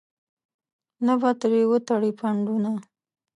نه به ترې وتړې پنډونه.